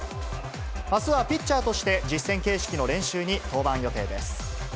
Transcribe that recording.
あすはピッチャーとして、実戦形式の練習に登板予定です。